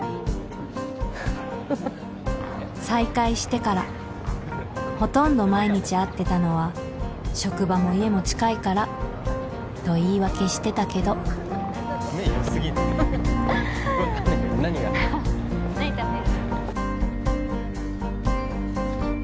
再会してからほとんど毎日会ってたのは職場も家も近いからと言い訳してたけど何食べる？